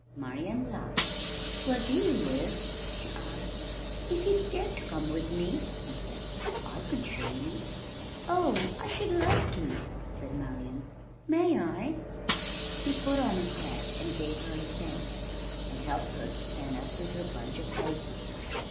Marian laughed. "Where do you live?" she asked. "If you'd care to come with me," he said, "I could show you." "Oh, I should love to!" said Marian. "May I?" He put on his hat and gave her his hand, and helped her to stand up with her bunch of daisies.